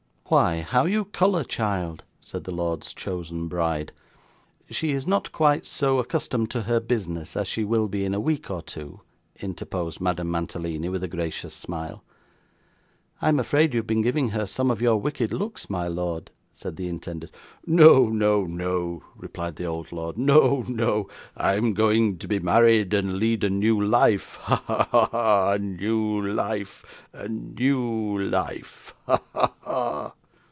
'Why, how you colour, child!' said the lord's chosen bride. 'She is not quite so accustomed to her business, as she will be in a week or two,' interposed Madame Mantalini with a gracious smile. 'I am afraid you have been giving her some of your wicked looks, my lord,' said the intended. 'No, no, no,' replied the old lord, 'no, no, I'm going to be married, and lead a new life. Ha, ha, ha! a new life, a new life! ha, ha, ha!